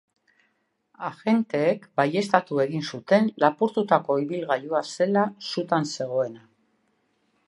Agenteek baieztatu egin zuen lapurtutako ibilgailua zela sutan zegoena.